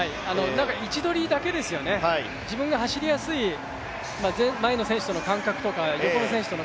位置取りだけですよね、自分が走りやすい、前の選手や横の選手の